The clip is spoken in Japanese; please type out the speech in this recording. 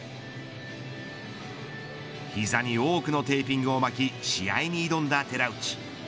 膝に多くのテーピングを巻き試合に挑んだ寺内。